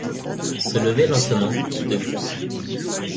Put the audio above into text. Se lever lentement debout.